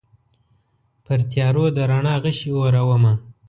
پرتیارو د رڼا غشي اورومه